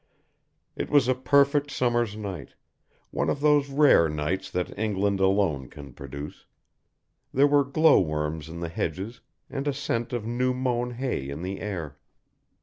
It was a perfect summer's night, one of those rare nights that England alone can produce; there were glow worms in the hedges and a scent of new mown hay in the air.